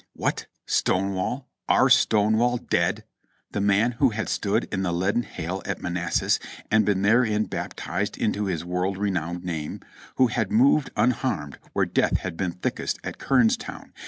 What ? Stonewall ! Our Stonewall dead ! the man who had stood in the leaden hail at Manassas, and been therein baptized into his world renowned name; who had moved unharmed where death had been thickest at Kernstown.